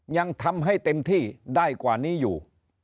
ยังทำให้เต็มที่ได้กว่านี้อยู่